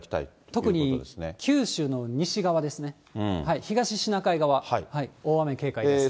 特に九州の西側ですね、東シナ海側、大雨に警戒です。